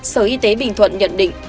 sở y tế bình thuận nhận định